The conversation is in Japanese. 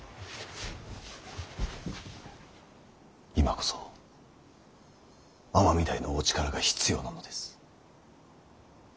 今こそ尼御台のお力が必要なのです。